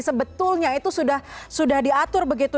sebetulnya itu sudah diatur begitu